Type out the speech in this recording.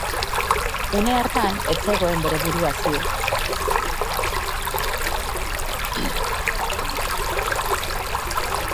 Une hartan ez zegoen bere buruaz ziur.